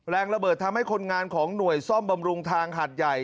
ระเบิดทำให้คนงานของหน่วยซ่อมบำรุงทางหาดใหญ่